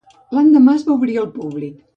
L'endemà, es va obrir al públic.